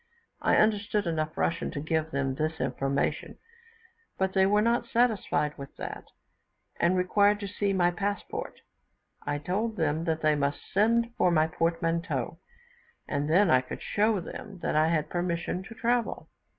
I understood enough Russian to give them this information, but they were not satisfied with that, and required to see my passport; I told them that they must send for my portmanteau, and then I would show them that I had permission to travel.